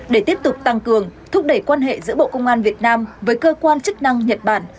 để tiếp tục tăng cường thúc đẩy quan hệ giữa bộ công an việt nam với cơ quan chức năng nhật bản